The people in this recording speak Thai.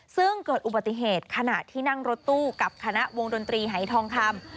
ซึ่งเกิดอุบัติเหตุขณะที่นั่งรถตู้กับคณะวงดนตรีหายทองคำ